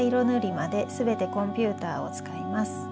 ぬりまですべてコンピューターをつかいます。